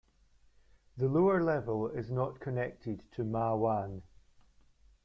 The lower level is not connected to Ma Wan.